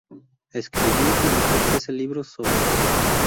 Escribió y publicó trece libros sobre el tema.